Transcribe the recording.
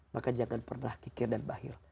maka jangan pernah kikir dan bahir